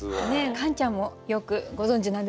カンちゃんもよくご存じなんですよね？